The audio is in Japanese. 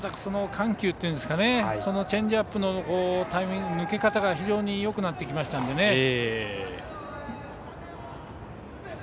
緩急っていうんですかチェンジアップのタイミング抜け方が非常によくなってきましたのでね。